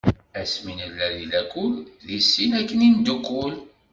Asmi nella di lakul, deg sin akken i neddukul.